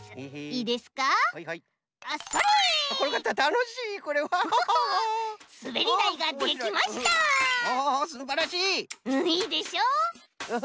いいでしょ？